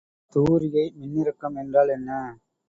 தூரிகை மின்னிறக்கம் என்றால் என்ன?